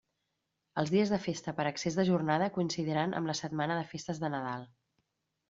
Els dies de festa per excés de jornada coincidiran amb la setmana de festes de Nadal.